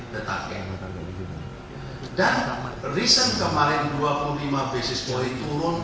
dan reason kemarin dua puluh lima basis point turun